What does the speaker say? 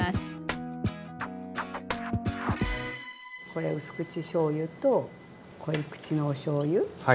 これうす口しょうゆとこい口のおしょうゆ。